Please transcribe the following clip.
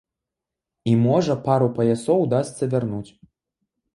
І можа пару паясоў удасца вярнуць.